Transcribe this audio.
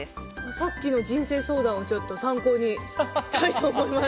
さっきの人生相談を参考にしたいと思います。